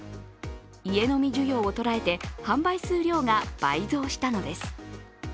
家飲み需要を捉えて、販売数量が倍増したのです。